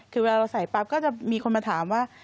คือเวลาเราใส่ปั๊บก็จะมีคนมาถามว่า